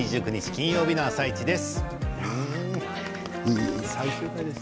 金曜日の「あさイチ」です。